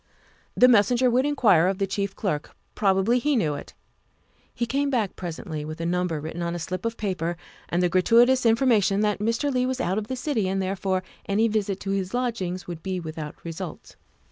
The messenger would inquire of the Chief Clerk ; probably he knew it. He came back presently with a number written on a slip of paper and the gratuitous information that Mr. Leigh was out of the city, and 286 THE WIFE OF therefore any visit to his lodgings would be without result.